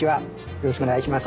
よろしくお願いします。